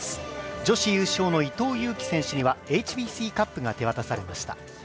女子優勝の伊藤有希選手にはＨＢＣカップが手渡されました。